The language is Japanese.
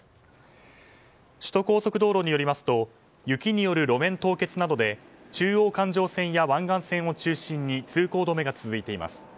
首都高速道路によりますと雪による路面凍結などで中央環状線や湾岸線を中心に通行止めが続いています。